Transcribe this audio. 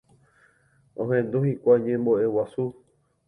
Ohendu hikuái ñembo'eguasu